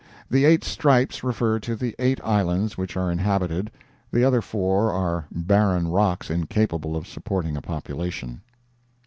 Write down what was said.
The eight stripes refer to the eight islands which are inhabited; the other four are barren rocks incapable of supporting a population.